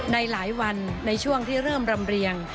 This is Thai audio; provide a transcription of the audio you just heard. ในหลายวันในช่วงที่เริ่มรำเรียง